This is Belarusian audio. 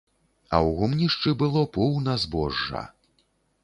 А ў гумнішчы было поўна збожжа.